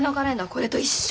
これと一緒。